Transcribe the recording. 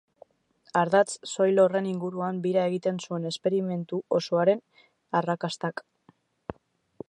Ardatz soil horren inguruan bira egiten zuen esperimentu osoaren arrakastak.